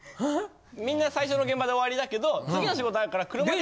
みんな最初の現場で終わりだけど次の仕事あるから車で。